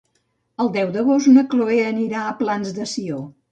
El deu d'agost na Chloé anirà als Plans de Sió.